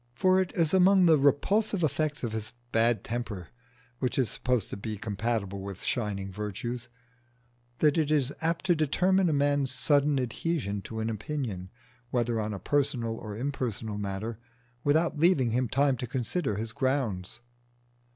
For it is among the repulsive effects of this bad temper, which is supposed to be compatible with shining virtues, that it is apt to determine a man's sudden adhesion to an opinion, whether on a personal or impersonal matter, without leaving him time to consider his grounds.